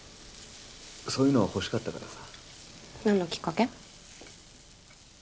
そういうの欲しかったからさ何のきっかけ？